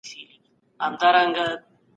تفسیر د ماناګانو سپړل دي.